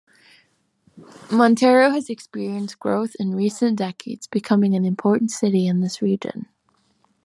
Montero has experienced growth in recent decades, becoming an important city in this region.